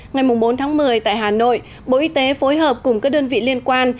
ngày bốn tháng một mươi tại hà nội bộ y tế phối hợp cùng các đơn vị liên quan